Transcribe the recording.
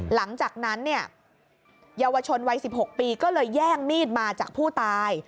หลังจากนั้นเนี่ยเยาวชนวัย๑๖ปีก็เลยแย่งมีดมาจากผู้ตาย